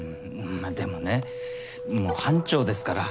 まあでもねもう班長ですから。